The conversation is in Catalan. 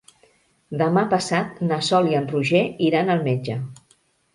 Demà passat na Sol i en Roger iran al metge.